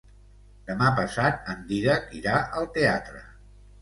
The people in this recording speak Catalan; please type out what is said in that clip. Demà passat en Dídac irà al teatre.